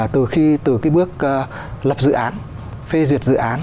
từ khi từ cái bước lập dự án phê duyệt dự án